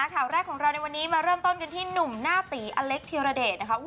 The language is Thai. ข่าวแรกของเราในวันนี้มาเริ่มต้นกันที่หนุ่มหน้าตีอเล็กธิรเดชนะคะ